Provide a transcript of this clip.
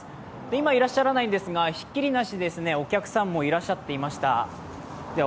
今はいらっしゃらないんですが、ひっきりなしにお客さんもいらっしゃっていました。